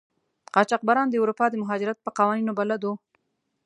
قاچاقبران د اروپا د مهاجرت په قوانینو بلد وو.